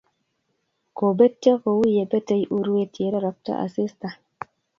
Kobetyo kouye betei urwet yerorokto asista